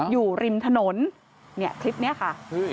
อยู่ริมถนนเนี่ยคลิปนี้ค่ะ